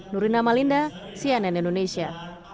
nurina malinda cnn indonesia